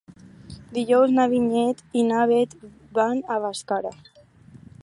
Dijous na Vinyet i na Bet van a Bàscara.